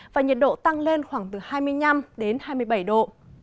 và nhiệt độ tăng lên khoảng từ hai mươi năm đến hai mươi bảy độ